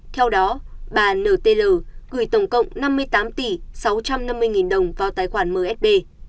theo đó bà n t l gửi tổng cộng năm mươi tám tỷ sáu trăm năm mươi đồng vào tài khoản msb